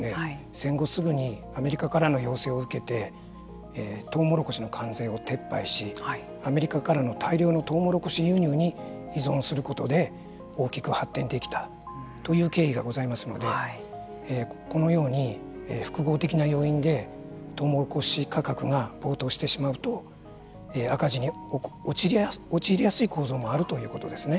戦後すぐにアメリカからの要請を受けてトウモロコシの関税を撤廃しアメリカからの大量のトウモロコシ輸入に依存することで大きく発展できたという経緯がございますのでこのように複合的な要因でトウモロコシ価格が暴騰してしまうと赤字に陥りやすい構造もあるということですね。